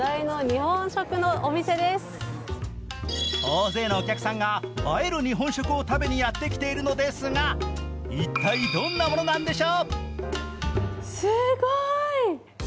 大勢のお客さんが映える日本食を食べにやってきているのですが一体、どんなものなんでしょう？